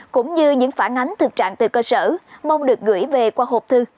cũng như những phản ánh thực trạng từ cơ sở mong được gửi về qua hộp thư